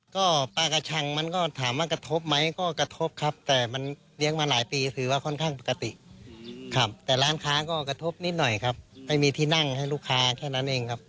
ก็ปลากระชังมันก็ถามว่ากระทบไหมก็กระทบครับแต่มันเลี้ยงมาหลายปีถือว่าค่อนข้างปกติครับแต่ร้านค้าก็กระทบนิดหน่อยครับไม่มีที่นั่งให้ลูกค้าแค่นั้นเองครับ